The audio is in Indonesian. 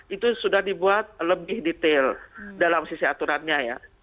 itu sudah dibuat lebih detail dalam sisi aturannya ya